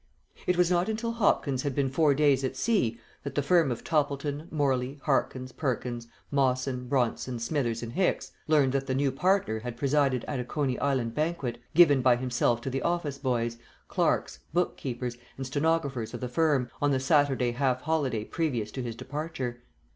It was not until Hopkins had been four days at sea, that the firm of Toppleton, Morley, Harkins, Perkins, Mawson, Bronson, Smithers, and Hicks learned that the new partner had presided at a Coney Island banquet, given by himself to the office boys, clerks, book keepers, and stenographers of the firm, on the Saturday half holiday previous to his departure.